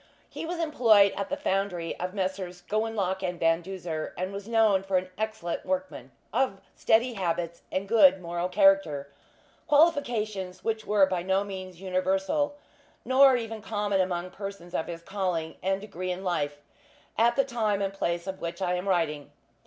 He was employed at the foundry of Messrs. Gowanlock and Van Duzer, and was known for an excellent workman, of steady habits, and good moral character qualifications which were by no means universal, nor even common, among persons of his calling and degree of life, at the time and place of which I am writing.